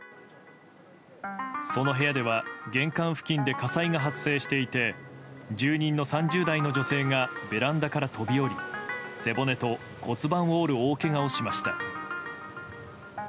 その部屋では玄関付近で火災が発生していて住人の３０代の女性がベランダから飛び降り背骨と骨盤を折る大けがをしました。